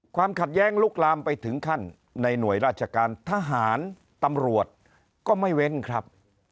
ความขัดแย้งลุกลามไปถึงขั้นในหน่วยราชการทหารตำรวจก็ไม่เว้นครับ